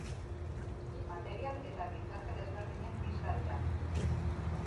Material eta gizarte desberdinen isla dira.